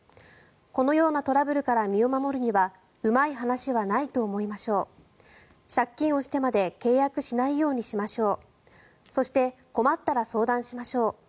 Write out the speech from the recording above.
このようなトラブルから身を守るにはうまい話はないと思いましょう借金をしてまで契約しないようにしましょうそして困ったら相談しましょう。